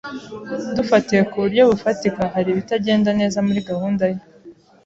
Dufatiye ku buryo bufatika, hari ibitagenda neza muri gahunda ye.